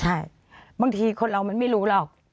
ใช่บางทีคนเรามันไม่รู้หรอก